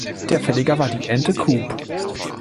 Der Verleger war die "Ente Coop.